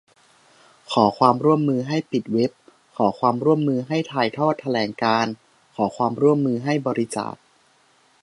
ขอความร่วมมือให้ปิดเว็บ ขอความร่วมมือให้ถ่ายทอดแถลงการณ์ ขอความร่วมมือให้บริจาค